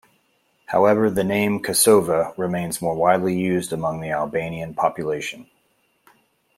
However, the name "Kosova" remains more widely used among the Albanian population.